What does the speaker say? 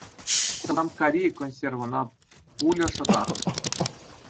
Кутамккари консервӑна пуля шӑтарнӑ